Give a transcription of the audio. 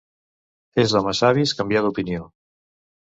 És d'homes savis canviar d'opinió.